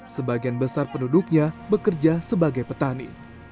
sebagian besar penduduknya bekerja sebagai petani